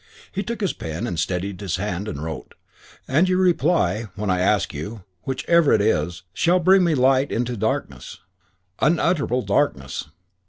He took his pen, and steadied his hand, and wrote: "And your reply, when I ask you, whichever it is, shall bring me light into darkness, unutterable darkness.